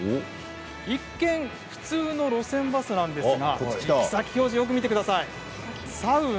一見、普通の路線バスなんですが行き先表示を見てください。